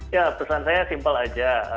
ya pesan saya simpel aja